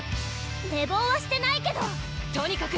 寝坊はしてないけどとにかく！